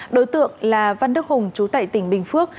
đối tượng là văn đức hùng chú tẩy tỉnh bình phước